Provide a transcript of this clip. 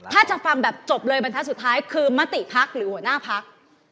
ถ้าจะฟังแบบจบเลยบรรทัศน์สุดท้ายคือมติพักหรือหัวหน้าพัก